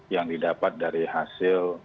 yang didapat dari hasil